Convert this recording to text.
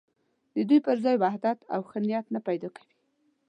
د دوی پر ځای وحدت او ښه نیت نه پیدا کوي.